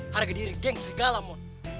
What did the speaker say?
harga diri geng segala mot